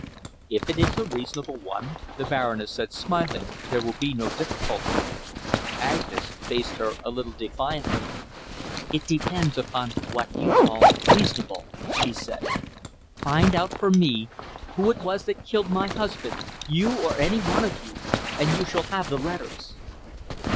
"If it is a reasonable one," the Baroness said, smiling, "there will be no difficulty." Agnes faced her a little defiantly. "It depends upon what you call reasonable," she said. "Find out for me who it was that killed my husband, you or any one of you, and you shall have the letters."